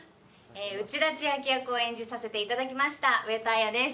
内田千秋役を演じさせていただきました上戸彩です。